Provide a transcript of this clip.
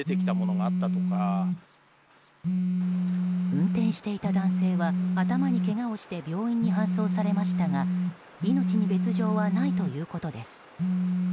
運転していた男性は頭にけがをして病院に搬送されましたが命に別条はないということです。